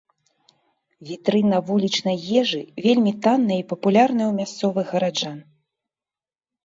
Вітрына вулічнай ежы, вельмі таннай і папулярнай у мясцовых гараджан.